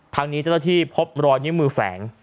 ทางนี้เธอละที่พบรอยนิ้วมือแฝง